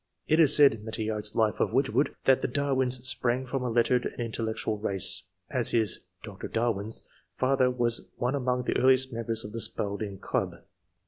It is said (Meteyard's "Life of Wedge wood ") that the Darwins '* sprang from a lettered and intellectual rare, as his (Dr. Darwin's) father was one among the earliest members of the Spalding Chib."